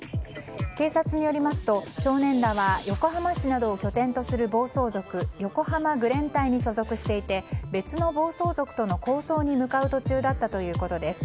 警察によりますと少年らは横浜市などを拠点とする暴走族横浜愚連隊に所属していて別の暴走族との抗争に向かう途中だったということです。